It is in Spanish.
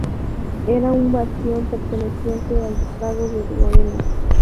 Era un bastión perteneciente al ducado de Lorena.